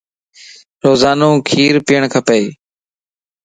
روزانو کير پيئڻ کپا